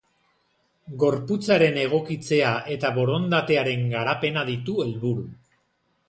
Gorputzaren egokitzea eta borondatearen garapena ditu helburu.